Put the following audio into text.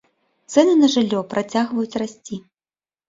Цэны на жыллё працягваюць расці.